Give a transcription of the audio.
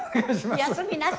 休みなし。